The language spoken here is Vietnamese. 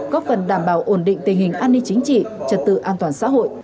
góp phần đảm bảo ổn định tình hình an ninh chính trị trật tự an toàn xã hội